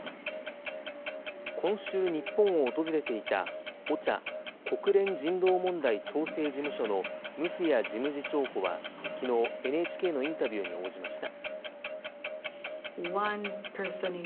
今週、日本を訪れていたＯＣＨＡ・国連人道問題調整事務所のムスヤ事務次長補はきのう、ＮＨＫのインタビューに応じました。